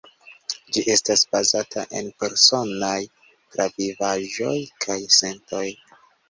Ĝi estas bazata en personaj travivaĵoj kaj sentoj.